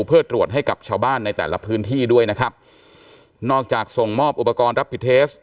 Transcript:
เพื่อตรวจให้กับชาวบ้านในแต่ละพื้นที่ด้วยนะครับนอกจากส่งมอบอุปกรณ์รับผิดเทส